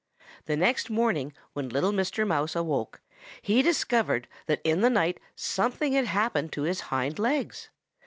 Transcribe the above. "The next morning when little Mr. Mouse awoke, he discovered that in the night something had happened to his hind legs.